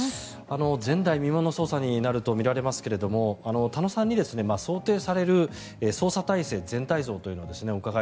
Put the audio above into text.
前代未聞の捜査になるとみられますが田野さんに想定される捜査態勢、全体像というものをお伺い